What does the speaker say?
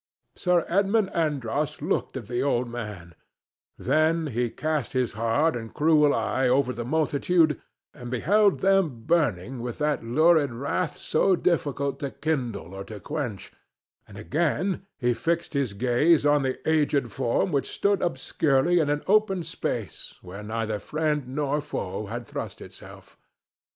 Sir Edmund Andros looked at the old man; then he cast his hard and cruel eye over the multitude and beheld them burning with that lurid wrath so difficult to kindle or to quench, and again he fixed his gaze on the aged form which stood obscurely in an open space where neither friend nor foe had thrust himself.